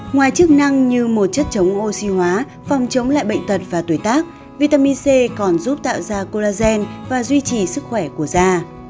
ngoài chức năng như một chất chống oxy hóa phòng chống lại bệnh tật và tuổi tác vitamin c còn giúp tạo ra collagen và duy trì sức khỏe của da